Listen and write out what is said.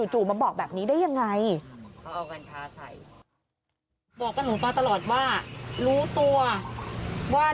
จู่มาบอกแบบนี้ได้อย่างไร